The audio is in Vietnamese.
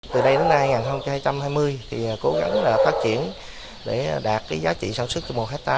từ đây đến nay năm hai nghìn hai mươi cố gắng phát triển để đạt giá trị sản xuất trong một hết ta